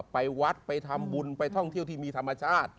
ไปวัดไปทำบุญไปท่องเที่ยวที่มีธรรมชาติ